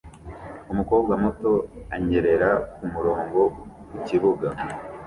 Umukobwa muto anyerera kumurongo ku kibuga